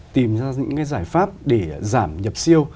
tìm ra những giải pháp để giảm nhập siêu